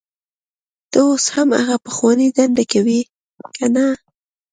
ته اوس هم هغه پخوانۍ دنده کوې کنه